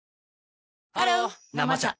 ハロー「生茶」